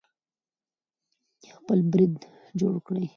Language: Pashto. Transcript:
خپل برند جوړ کړئ.